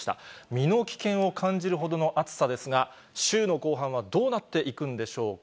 身の危険を感じるほどの暑さですが、週の後半はどうなっていくんでしょうか。